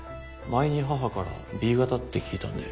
前に母からＢ型って聞いたんで。